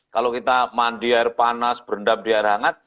kalau kita mandi air panas berendam di air hangat